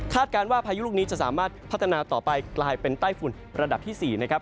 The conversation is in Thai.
การว่าพายุลูกนี้จะสามารถพัฒนาต่อไปกลายเป็นใต้ฝุ่นระดับที่๔นะครับ